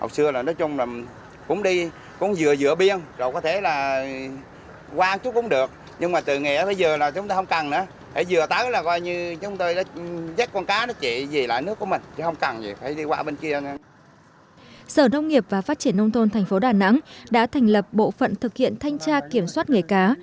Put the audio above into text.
sở nông nghiệp và phát triển nông thôn tp đà nẵng đã thành lập bộ phận thực hiện thanh tra kiểm soát nghề cá